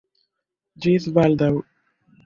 Ĝis baldaŭ!